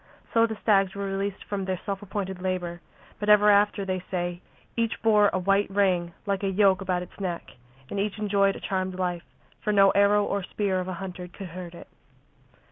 So the stags were released from their self appointed labour, but ever after, they say, each bore a white ring like a yoke about its neck, and each enjoyed a charmed life, for no arrow or spear of a hunter could hurt it.